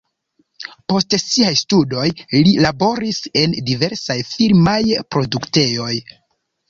Post siaj studoj li laboris en diversaj filmaj produktejoj.